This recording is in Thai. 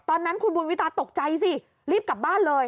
ตอนนั้นคุณบุญวิตาตกใจสิรีบกลับบ้านเลย